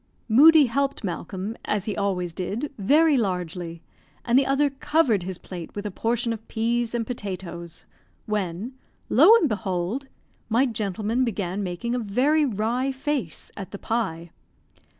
Moodie helped Malcolm, as he always did, very largely, and the other covered his plate with a portion of peas and potatoes, when, lo and behold! my gentleman began making a very wry face at the pie.